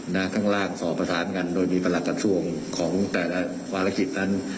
ที่ข้างล่างสประสานการณ์โดยมีประหลักการณ์ช่วงของแต่ละเวลาลลักษณ์นั้น